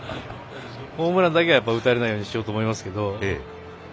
ホームランだけは打たれないようにしようと思いますけど。